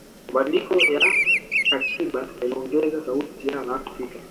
mabadiliko ya katiba yaliongeza sauti ya waafrika